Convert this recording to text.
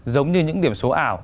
giống như những điểm số ảo